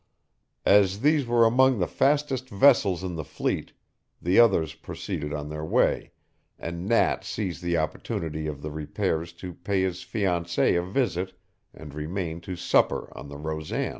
As these were among the fastest vessels in the fleet, the others proceeded on their way, and Nat seized the opportunity of the repairs to pay his fiancée a visit and remain to supper on the Rosan.